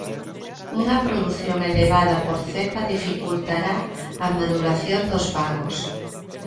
Unha produción elevada por cepa dificultará a maduración dos bagos.